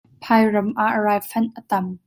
Phairam ah raifanh a tam.